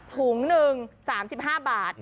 ถุงหนึ่ง๓๕บาท